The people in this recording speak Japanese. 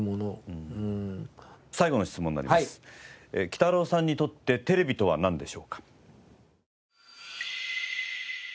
きたろうさんにとってテレビとはなんでしょうか？